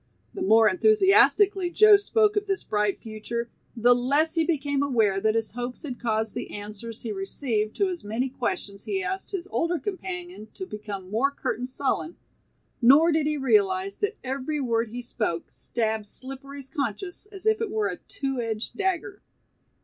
The more enthusiastically Joe spoke of this bright future, the less he became aware that his hopes had caused the answers he received to his many questions he asked his older companion to become more curt and sullen, nor did he realize that every word he spoke stabbed Slippery's conscience as if it were a two edged dagger.